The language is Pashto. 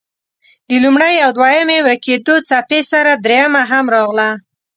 د لومړۍ او دویمې ورکېدو څپې سره دريمه هم راغله.